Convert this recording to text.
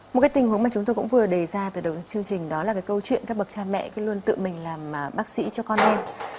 một cái tình huống mà chúng tôi cũng vừa đề ra từ đầu chương trình đó là cái câu chuyện các bậc cha mẹ luôn tự mình làm bác sĩ cho con em